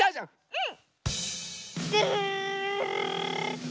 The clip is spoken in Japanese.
うん。